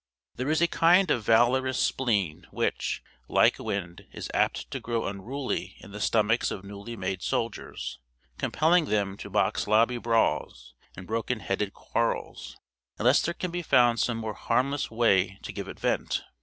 There is a kind of valorous spleen which, like wind, is apt to grow unruly in the stomachs of newly made soldiers, compelling them to box lobby brawls and brokenheaded quarrels, unless there can be found some more harmless way to give it vent.